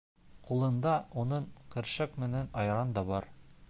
Ҡулында уның көршәк менән айран да бар.